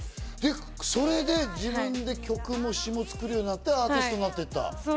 それで曲も詞も作るようになってアーティストになっていった。